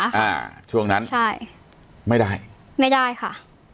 อ่าช่วงนั้นใช่ไม่ได้ไม่ได้ค่ะ